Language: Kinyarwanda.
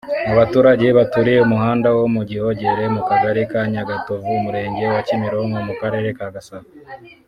Abaturage baturiye umuhanda wo mu Gihogere mu kagari ka Nyagatovu umurenge wa Kimironko mu Karere ka Gasabo